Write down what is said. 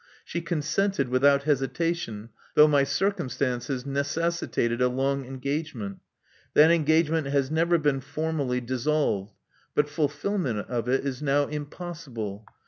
She consented without hesitation, though my circumstances neces sitated a long engagement. That engagement has never been formally dissolved; but fulfilment of it is now impossible.